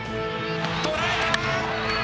捉えた！